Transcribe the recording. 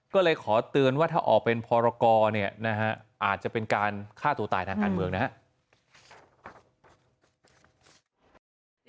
ก็เลยขอเตือนว่าถ้าออกเป็นพรกรเนี่ยนะฮะอาจจะเป็นการฆ่าตัวตายทางการเมืองนะครับ